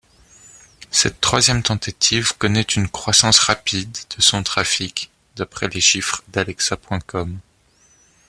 Cette troisième tentative connaît une croissance rapide de son trafic d'après les chiffres d'Alexa.com.